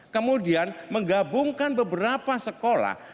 kemudian menggabungkan beberapa sekolah